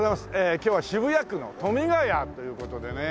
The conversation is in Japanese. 今日は渋谷区の富ヶ谷という事でね。